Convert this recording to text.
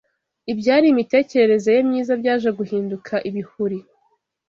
Ibyari imitekerereze ye myiza byaje guhinduka ibihuri